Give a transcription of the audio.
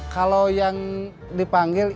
kalau yang dipanggil